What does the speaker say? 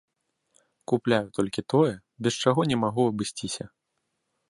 Купляю толькі тое, без чаго не магу абысціся.